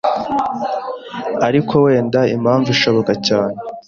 ariko wenda impamvu ishoboka cyane